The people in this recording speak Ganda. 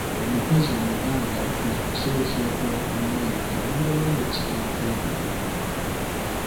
Omukazi Omuganda ng’asoosootola emmere kalombolombo ki k’ateekwa okumanya?